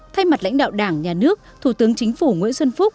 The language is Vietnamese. thay mặt lãnh đạo đảng nhà nước thủ tướng chính phủ nguyễn xuân phúc